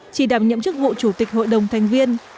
chỉ đảm nhiệm chức vụ chủ tịch hội đồng thành viên